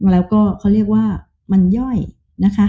แล้วก็เขาเรียกว่ามันย่อยนะคะ